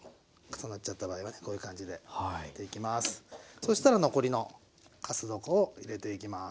そしたら残りのかす床を入れていきます。